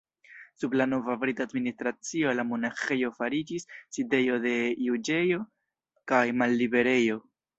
Sub la nova brita administracio la monaĥejo fariĝis sidejo de juĝejo kaj malliberejo.